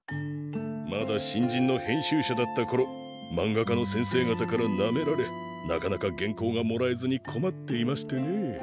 まだ新人の編集者だったころまんがかの先生方からなめられなかなかげんこうがもらえずに困っていましてね